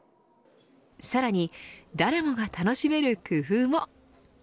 さらに誰もが楽しめる工夫も。